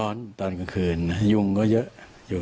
ตอนกลางคืนยุ่งก็เยอะอยู่